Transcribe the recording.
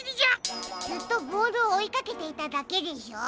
ずっとボールをおいかけていただけでしょ。